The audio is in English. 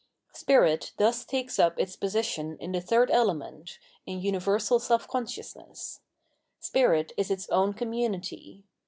Spirit thus takes up its position in the third element, 791 Revealed Rdigion in universal self consciousness : Spirit is its own com munity.